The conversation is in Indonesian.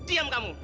iya diam kamu